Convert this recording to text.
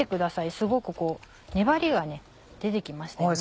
すごく粘りが出て来ましたよね。